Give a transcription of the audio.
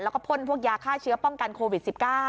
แล้วก็พ่นพวกยาฆ่าเชื้อป้องกันโควิด๑๙